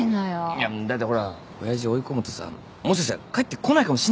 いやだってほら親父追い込むとさもしかしたら帰ってこないかもしんないじゃん。